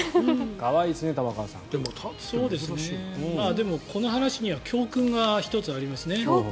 でも、この話には教訓が１つありますね。